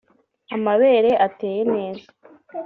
amabere ateye neza